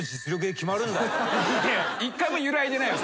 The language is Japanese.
１回も揺らいでないよ。